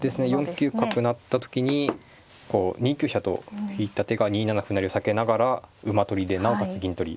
４九角成った時にこう２九飛車と引いた手が２七歩成を避けながら馬取りでなおかつ銀取り。